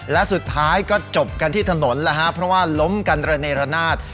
และสุดท้ายก็จบกันที่ถนนแล้วฮะเพราะว่าล้มกันระเนรนาศ